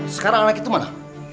sekarang anak itu mana